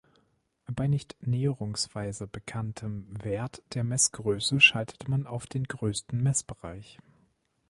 Bei nicht näherungsweise bekanntem "Wert" der Messgröße schaltet man auf den größten Messbereich.